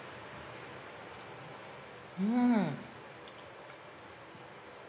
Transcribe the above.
うん！